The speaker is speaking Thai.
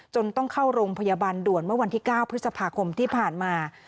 ต้องเข้าโรงพยาบาลด่วนเมื่อวันที่๙พฤษภาคมที่ผ่านมา